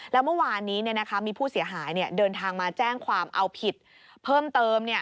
แล้วเมื่อวานนี้มีผู้เสียหายเดินทางมาแจ้งความเอาผิดเพิ่มเติม